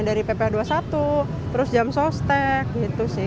dari pp dua puluh satu terus jam sostek gitu sih